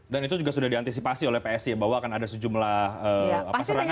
dan itu sudah diantisipasi oleh psi ya bahwa akan ada sejumlah serangan serangan ya